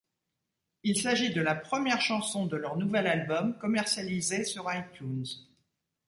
Il s'agit de la première chanson de leur nouvel album commercialisée sur iTunes.